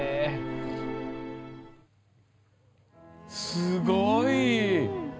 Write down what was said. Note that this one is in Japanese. すごい！